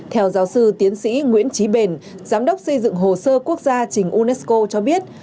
theo giáo sư tiến sĩ nguyễn trí bền giám đốc xây dựng hồ sơ quốc gia trình unesco cho biết